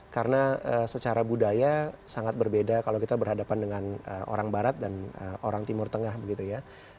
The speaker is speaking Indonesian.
karena secara budaya sangat berbeda kalau kita berhadapan dengan orang barat dan orang timur tengah begitu ya